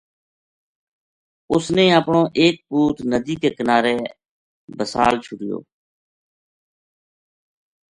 اس نے اپنو ایک پوت ندی کے کنارے بِسال چھوڈیو